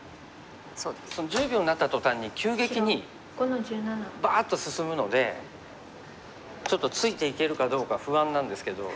その１０秒になったとたんに急激にバーッと進むのでちょっとついていけるかどうか不安なんですけど。